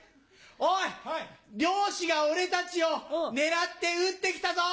おい猟師が俺たちを狙って撃って来たぞ。